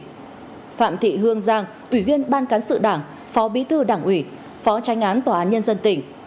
cảnh cáo các đồng chí hoàng văn tiền tỉnh ủy viên bí thư ban cán sự đảng phó bí thư đảng ủy phó tranh án tòa án nhân dân tỉnh